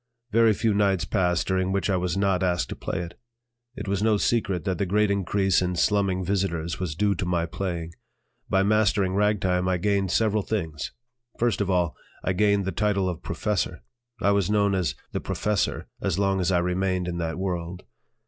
Very few nights passed during which I was not asked to play it. It was no secret that the great increase in slumming visitors was due to my playing. By mastering ragtime I gained several things: first of all, I gained the title of professor. I was known as "the professor" as long as I remained in that world.